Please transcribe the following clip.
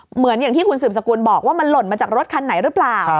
เหมือนอย่างที่คุณสืบสกุลบอกว่ามันหล่นมาจากรถคันไหนหรือเปล่า